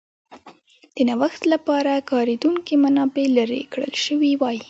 د نوښت لپاره کارېدونکې منابع لرې کړل شوې وای.